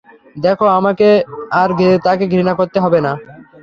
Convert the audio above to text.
দেখো, আমাকে আর তাঁকে ঘৃণা করতে হবে না।